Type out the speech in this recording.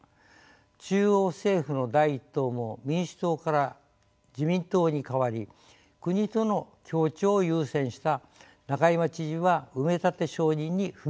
中央政府の第一党も民主党から自民党に変わり国との協調を優先した仲井眞知事は埋め立て承認に踏み切りました。